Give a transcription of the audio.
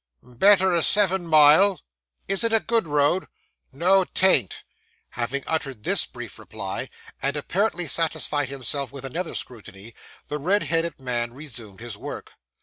'Better er seven mile.' 'Is it a good road?' 'No, 'tain't.' Having uttered this brief reply, and apparently satisfied himself with another scrutiny, the red headed man resumed his work.